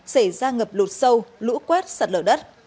xảy ra ngập lụt sâu lũ quét sạt lở đất